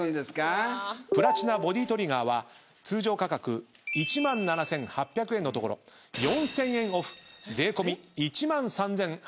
プラチナボディトリガーは通常価格１万７，８００円のところ４，０００円オフ税込み１万３，８００円です。